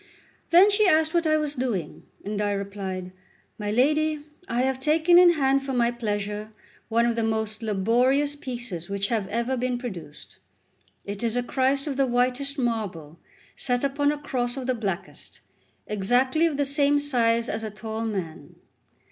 Then she asked what I was doing, and I replied: "My lady, I have taken in hand for my pleasure one of the most laborious pieces which have ever been produced. It is a Christ of the whitest marble set upon a cross of the blackest, exactly of the same size as a tall man.